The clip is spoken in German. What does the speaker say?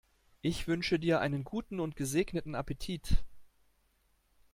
Ich wünsche dir einen guten und gesegneten Appetit!